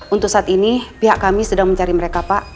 untuk saat ini pihak kami sedang mencari mereka pak